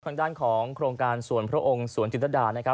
ทางด้านของโครงการสวนพระองค์สวนจิตรดานะครับ